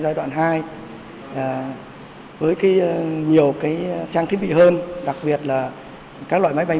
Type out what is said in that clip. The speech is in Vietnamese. trong trung tâm mô phỏng giai đoạn hai với nhiều trang thiết bị hơn đặc biệt là các loại máy bay